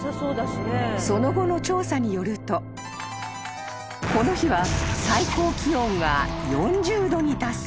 ［その後の調査によるとこの日は最高気温が４０℃に達する猛暑日で］